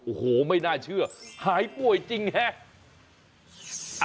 โอ้โหไม่น่าเชื่อหายป่วยจริงฮะ